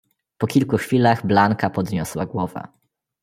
"Po kilku chwilach Blanka podniosła głowę."